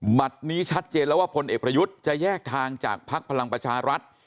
นี้ชัดเจนแล้วว่าพลเอกประยุทธ์จะแยกทางจากภักดิ์พลังประชารัฐ